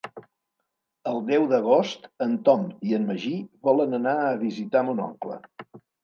El deu d'agost en Tom i en Magí volen anar a visitar mon oncle.